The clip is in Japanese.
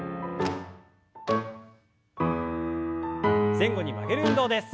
前後に曲げる運動です。